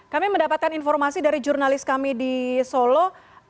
kami mendapatkan informasi dari jurnalis kami di solo